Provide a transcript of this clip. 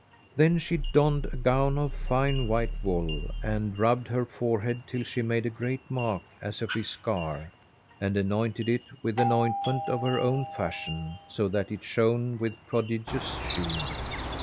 Then she donned a gown of fine white wool and rubbed her forehead, till she made a great mark as of a scar and anointed it with an ointment of her own fashion, so that it shone with prodigious sheen.